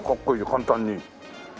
簡単に。